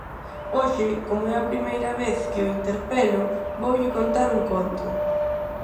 Hoxe, como é a primeira vez que o interpelo, voulle contar un conto.